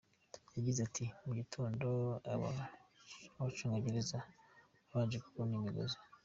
Yagize ati: “Mu gitondo abacungagereza babanje kubona imigozi.